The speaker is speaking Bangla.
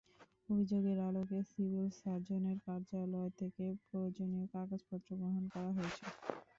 অভিযোগের আলোকে সিভিল সার্জনের কার্যালয় থেকে প্রয়োজনীয় কাগজপত্র গ্রহণ করা হয়েছে।